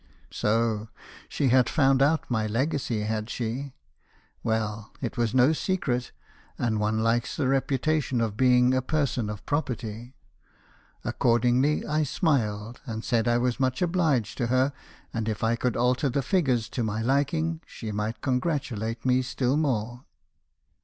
" So she had found out my legacy, had she? Well, it was no secret, and one likes the reputation of being a person of pro perty. Accordingly I smiled, and said 1 was much obliged to her, and if I could alter the figures to my liking, she might con gratulate me still more.